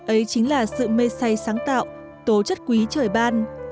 ấy chính là sự mê say sáng tạo tố chất quý trời ban